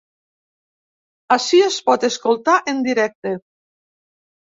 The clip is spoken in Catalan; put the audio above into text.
Ací es pot escoltar en directe.